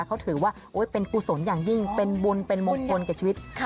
เขาถือว่าเป็นกุศลอย่างยิ่งเป็นบุญเป็นมงคลกับชีวิต